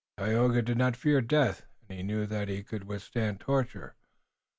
Tayoga did not fear death, and he knew that he could withstand torture.